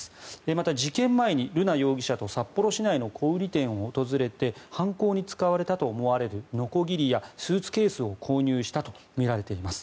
また、事件前に瑠奈容疑者と札幌市内の小売店を訪れて犯行に使われたと思われるのこぎりやスーツケースを購入したとみられています。